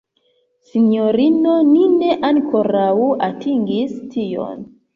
Sinjorino, ni ne ankoraŭ atingis tion!